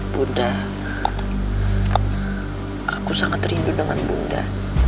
buddha aku sangat rindu dengan bunda